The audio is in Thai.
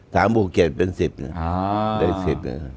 ครับ๓บุคเกียรติเป็น๑๐นะครับ